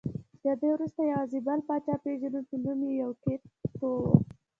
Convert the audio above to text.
تر دې وروسته یوازې یو بل پاچا پېژنو چې نوم یې یوکیت ټو و